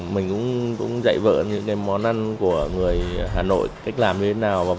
mình cũng dạy vợ những món ăn của người hà nội cách làm như thế nào